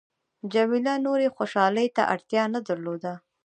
جميله نورې خوشحالۍ ته اړتیا نه درلوده.